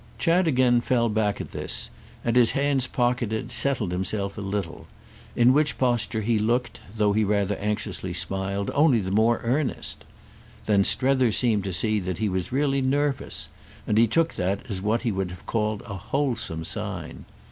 Chad again fell back at this and, his hands pocketed, settled himself a little; in which posture he looked, though he rather anxiously smiled, only the more earnest. Then Strether seemed to see that he was really nervous, and he took that as what he would have called a wholesome sign.